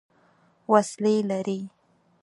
وسلې لري.